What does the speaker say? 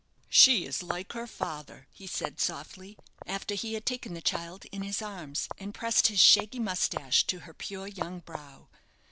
"She is like her father," he said, softly, after he had taken the child in his arms, and pressed his shaggy moustache to her pure young brow."